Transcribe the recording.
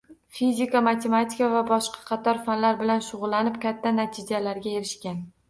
Fizika, matematika va boshqa qator fanlar bilan shug`ullanib, katta natijalarga erishgan